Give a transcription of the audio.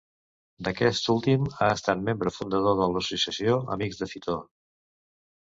D'aquest últim ha estat Membre fundador de l'Associació Amics de Fitor.